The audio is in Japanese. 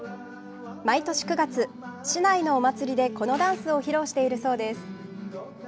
毎年９月、市内のお祭りでこのダンスを披露しているそうです。